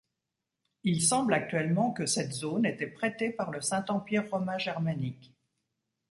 Il semble actuellement que cette zone était prêtée par le Saint-Empire romain germanique.